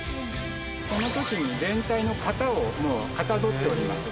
その時に全体の型をかたどっております。